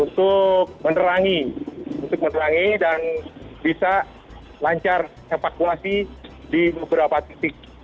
untuk menerangi dan bisa lancar evakuasi di beberapa titik